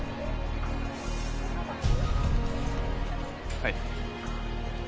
はい。